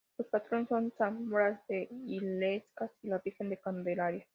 Los patronos son San Blas de Illescas y la Virgen de la Candelaria.